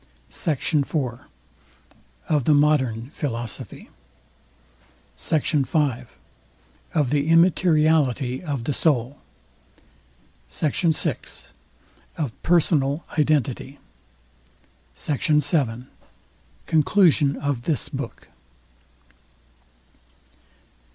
SECT. IV. OF THE MODERN PHILOSOPHY. SECT. V. OF THE IMMATERIALITY OF THE SOUL. SECT. VI. OF PERSONAL IDENTITY SECT. VII. CONCLUSION OF THIS BOOK.